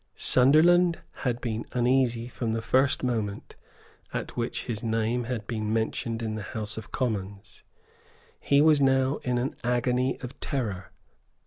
Sunderland had been uneasy from the first moment at which his name had been mentioned in the House of Commons. He was now in an agony of terror.